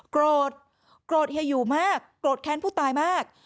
โกรธโกรธเฮียอยู่มากโกรธแค้นผู้ตายมาก